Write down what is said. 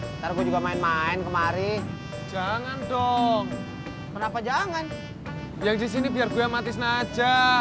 ntar gue juga main main kemarin jangan dong kenapa jangan yang disini biar gue mati saja